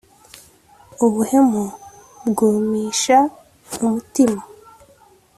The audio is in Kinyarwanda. ubuhemu bwumisha umutima